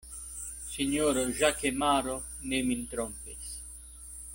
Sinjoro Ĵakemaro ne min trompis!